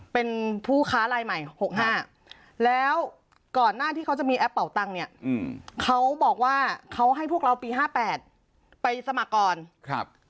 เป็นผู้ค้าลายใหม่๖๕แล้วก่อนหน้าที่เขาจะมีแอปเป่าตังค์เนี่ยเขาบอกว่าเขาให้พวกเราปีห้าแปดไปสมัครก่อนครับ